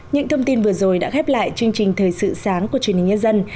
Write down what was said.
những thông tin vừa rồi đã khép lại chương trình thời sự sáng của truyền hình nhân dân